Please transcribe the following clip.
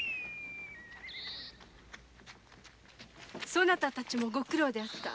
そなたたちもご苦労であった。